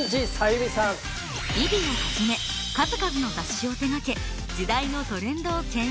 『ＶｉＶｉ』を始め数々の雑誌を手がけ時代のトレンドをけん引。